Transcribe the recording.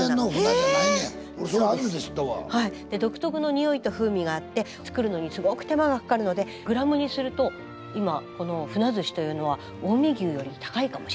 独特の匂いと風味があって作るのにすごく手間がかかるのでグラムにすると今このふなずしというのは近江牛より高いかもしれないと。